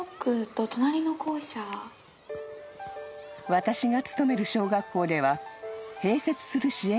「私が勤める小学校では併設する支援